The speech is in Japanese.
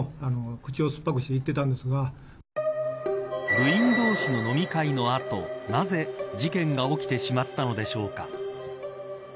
部員同士の飲み会の後なぜ事件が起きてしまったのでしょうか。